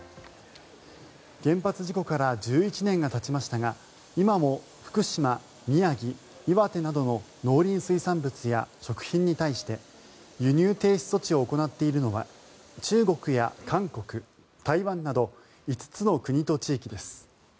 原発事故から１１年がたちましたが今も福島、宮城、岩手などの農林水産物や食品に対して輸入停止措置を行っているのは中国や韓国、台湾など５つの国と地域です。